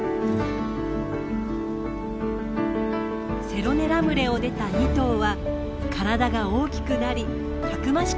セロネラ群れを出た２頭は体が大きくなりたくましくなっています。